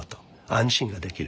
安心ができる。